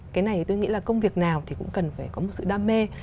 cái này tôi nghĩ là công việc nào thì cũng cần phải có một sự đam mê